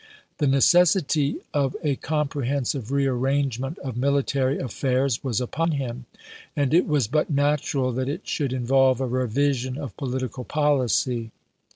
The necessity of a comprehensive rearrangement of military affairs was upon him, and it was but natural that it should involve a revision of political policy.